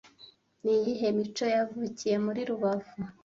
Niyihe mico yavukiye muri rubavu